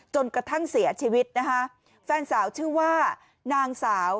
จนกระทั่งเสียชีวิตนะคะแฟนสาวชื่อว่านางสาว